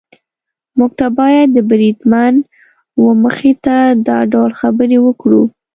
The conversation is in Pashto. موږ نه باید د بریدمن وه مخې ته دا ډول خبرې وکړو.